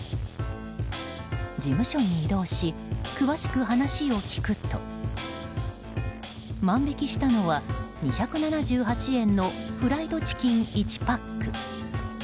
事務所に移動し詳しく話を聞くと万引きしたのは２７８円のフライドチキン１パック。